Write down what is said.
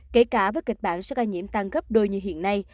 kể cả với kịch bản số ca nhiễm tăng gấp đôi như hiện nay